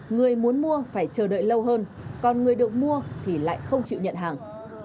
người muốn mua phải chờ đợi lâu hơn còn người được mua thì lại không chịu nhận hàng